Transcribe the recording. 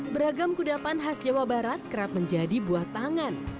beragam kudapan khas jawa barat kerap menjadi buah tangan